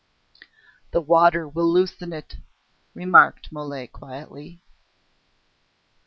"The water will loosen it," remarked Mole quietly.